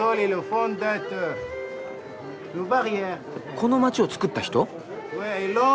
この街を造った人？